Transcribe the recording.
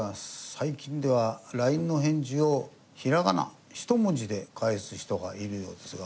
最近ではＬＩＮＥの返事をひらがな１文字で返す人がいるようですが。